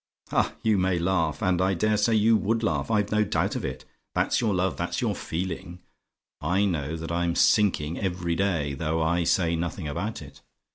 Ha, you may laugh! And I dare say you would laugh! I've no doubt of it! That's your love that's your feeling! I know that I'm sinking every day, though I say nothing about it.